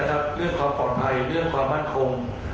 เรื่องความปลอดภัยเรื่องความมั่นคง